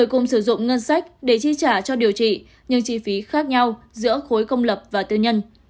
chi trả cho điều trị nhưng chi phí khác nhau giữa khối công lập và tư nhân